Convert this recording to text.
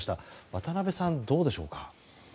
渡辺さん、どうでしょうか。